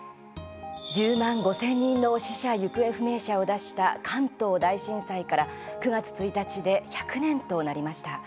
１０万５０００人の死者行方不明者を出した関東大震災から９月１日で１００年となりました。